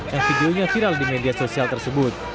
yang videonya viral di media sosial tersebut